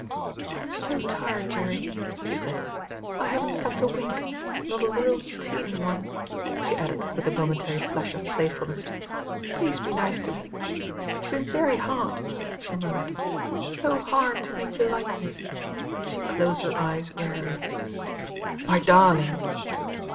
"I'm so tired, Jerry," she said, "I haven't slept a wink, not a little, teeny one," she added with a momentary flash of playfulness. "Please be nice td me. It's been very hard," she murmured; "so hard to make you like me." She closed her eyes wearily. "My darling."